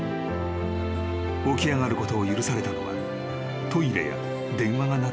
［起き上がることを許されたのはトイレや電話が鳴ったときだけ］